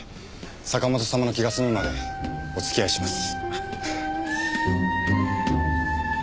坂本様の気が済むまでおつきあいします。